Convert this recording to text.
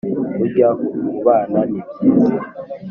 burya kubana ni byiza